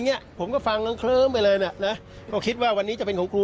เนี้ยผมก็ฟังเคลิ้มไปเลยนะก็คิดว่าวันนี้จะเป็นของครู